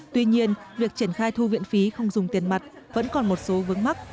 tuy nhiên việc triển khai thu viện phí không dùng tiền mặt vẫn còn một số vướng mắc